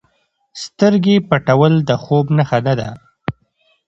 سترګې پټول د خوب نښه نه ده.